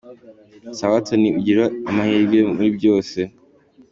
Sawa Tony ugire amahirwe muri byose.